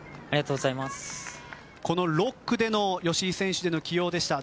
この６区での吉居選手の起用でした。